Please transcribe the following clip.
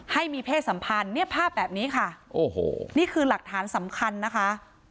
ให้มีเพศสัมพันธ์เนี่ยภาพแบบนี้ค่ะโอ้โหนี่คือหลักฐานสำคัญนะคะ